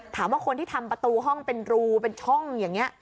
ถามว่าคนที่ทำประตูห้องเป็นรูเป็นช่องอย่างนี้